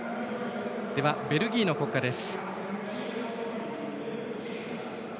ベルギーの国歌です。